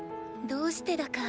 どうしてだか